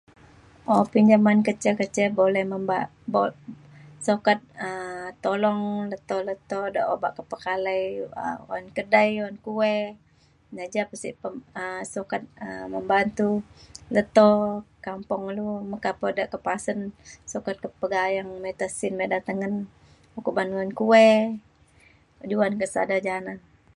o pinjaman kecil kecil boleh memba- boleh sukat um tolong leto leto da obak ke pekalai um oyan kedai oyan kuih na ja pa sik pe um sukat um membantu leto kampung ilu meka pe ida ke pasen sukat ke pegayeng mita sin mida tengen ukok ban oyan kuih juan ke sada janan